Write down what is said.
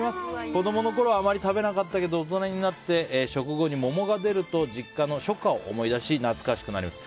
子供のころはあまり食べなかったけど大人になって食後に桃が出ると実家の初夏を思い出し懐かしくなります。